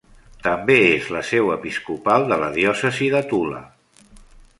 També és la seu episcopal de la Diòcesi de Tula.